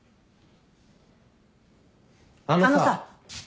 あのさ。